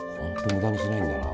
無駄にしないんだな。